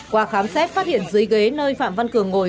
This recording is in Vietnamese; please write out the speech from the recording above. qua khám xét phát hiện dưới ghế nơi phạm văn cường ngồi